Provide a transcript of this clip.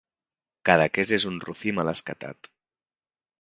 Cadaqués és un rufí mal escatat.